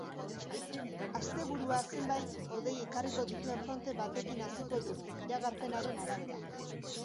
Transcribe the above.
Asteburua zenbait hodei ekarriko dituen fronte batekin hasiko dugu, iragarpenaren arabera.